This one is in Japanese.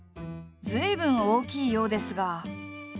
随分大きいようですが。